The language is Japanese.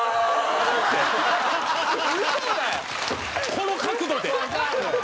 この角度で。